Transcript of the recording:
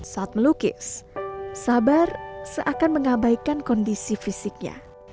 saat melukis sabar seakan mengabaikan kondisi fisiknya